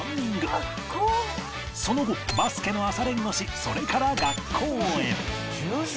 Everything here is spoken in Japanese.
その後バスケの朝練をしそれから学校へ